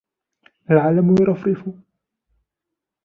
العلم يرفرف،